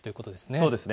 そうですね。